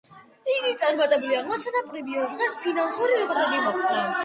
იგი წარმატებული აღმოჩნდა და პრემიერის დღეს ფინანსური რეკორდები მოხსნა.